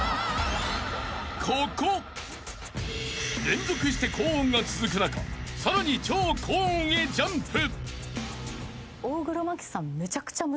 ［連続して高音が続く中さらに超高音へジャンプ］